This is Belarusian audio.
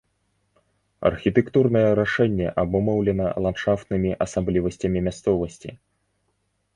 Архітэктурнае рашэнне абумоўлена ландшафтнымі асаблівасцямі мясцовасці.